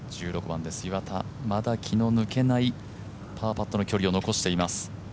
１６番です、岩田まだ気の抜けないパーパットの距離を残しています。